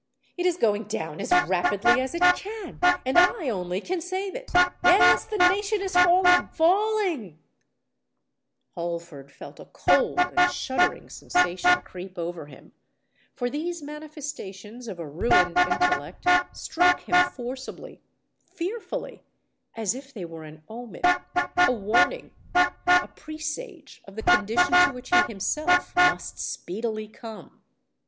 It is going down as rapidly as it can; and I only can save it! Yes—the nation is falling—falling——" Holford felt a cold and shuddering sensation creep over him; for these manifestations of a ruined intellect struck him forcibly—fearfully,—as if they were an omen—a warning—a presage of the condition to which he himself must speedily come!